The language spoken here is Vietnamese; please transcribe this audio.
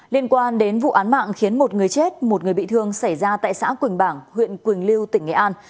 liên quan đến vụ án mạng khiến một người chết một người bị thương xảy ra tại xã quỳnh bảng huyện quỳnh lưu tỉnh nghệ an